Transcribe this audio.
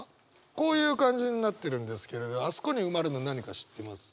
こういう感じになってるんですけどあそこに埋まるの何か知ってます？